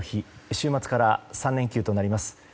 週末から３連休となります。